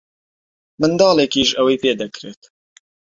منداڵێکیش ئەوەی پێ دەکرێت.